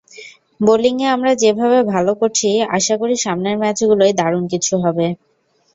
বোলিংয়ে আমরা যেভাবে ভালো করছি, আশা করি সামনের ম্যাচগুলোয় দারুণ কিছু হবে।